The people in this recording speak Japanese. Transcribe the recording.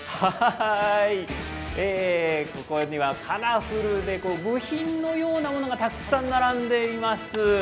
ここにはカラフルで部品のようなものがたくさん並んでいます。